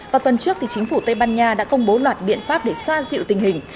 vào tuần trước chính phủ tây ban nha đã công bố loạt biện pháp để xoa dịu tình hình